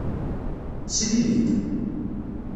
Sell-iyi-d!